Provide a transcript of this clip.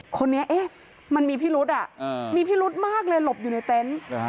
คนนี้มันมีพิรุษมีพิรุธมากเลยหลบอยู่ในเต็นต์